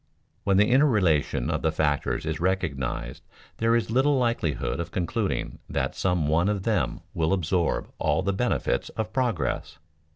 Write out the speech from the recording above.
When the interrelation of the factors is recognized there is little likelihood of concluding that some one of them will absorb all the benefits of progress.